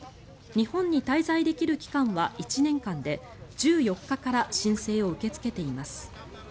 日本に滞在できる期間は１年間で１４日から申請を受け付けています。